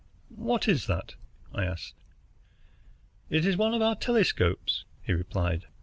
"What is that?" I asked. "It is one of our telescopes," he replied.